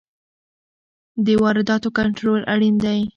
د وارداتو کنټرول اړین دی.